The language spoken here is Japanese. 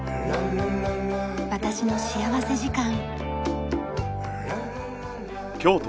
『私の幸福時間』。